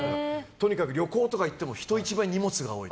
とにかく旅行とか行っても人一倍、荷物が多い。